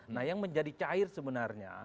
nah yang menjadi cair sebenarnya